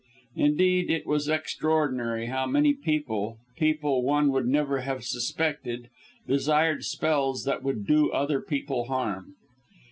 Indeed, it was extraordinary how many people people one would never have suspected desired spells that would do other people harm.